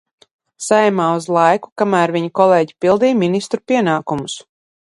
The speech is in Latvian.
Saeimā uz laiku, kamēr viņu kolēģi pildīja ministru pienākumus!